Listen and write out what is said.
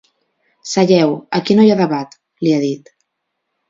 Seieu, aquí no hi ha debat, li ha dit.